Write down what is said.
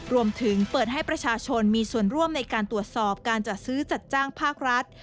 รวมถึงเปิดให้ประชาชนมีส่วนร่วมในการตรวจสอบการจัดซื้อจัดจ้างภาครัฐ